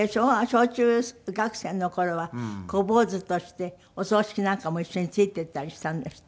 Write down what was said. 小中学生の頃は小坊主としてお葬式なんかも一緒についていったりしたんですって？